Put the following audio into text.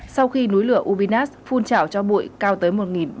sau khi núi lửa ubinas phun trào cho bụi cao tới một bảy trăm linh m